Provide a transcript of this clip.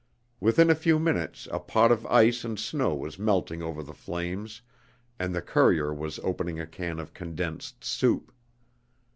Within a few minutes a pot of ice and snow was melting over the flames and the courier was opening a can of condensed soup.